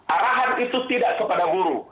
arahan itu tidak kepada buruh